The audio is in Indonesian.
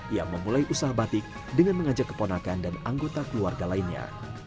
ia memulai usaha batik dengan mengajak keponakan dan anggota keluarga lainnya